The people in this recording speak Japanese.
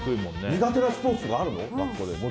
苦手なスポーツとかあるの？